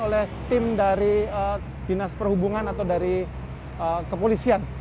oleh tim dari dinas perhubungan atau dari kepolisian